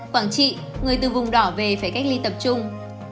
quảng trị người từ vùng đỏ về phải cách ly tập trung